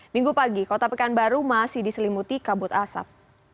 minggu pagi kota pekanbaru masih diselimuti kabut asap